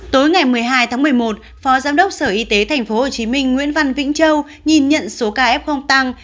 tối ngày một mươi hai tháng một mươi một phó giám đốc sở y tế tp hcm nguyễn văn vĩnh châu nhìn nhận số ca f tăng